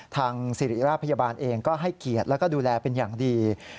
ทางสิริราชพยาบาลเองก็ให้เกียรติแล้วก็ดูแลเป็นอย่างดี